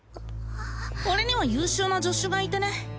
俺には優秀な助手がいてね